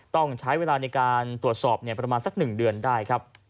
ต้องใช้เวลาในการตรวจสอบประมาณสัก๑เดือนได้ครับ